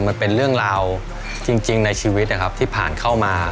มันเป็นเรื่องราวจริงในชีวิตนะครับที่ผ่านเข้ามา